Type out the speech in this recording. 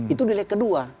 itu di leg kedua